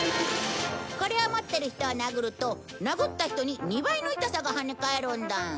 これを持ってる人を殴ると殴った人に２倍の痛さがはね返るんだ。